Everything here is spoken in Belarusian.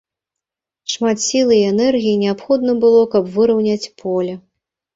Шмат сілы і энергіі неабходна было, каб выраўняць поле.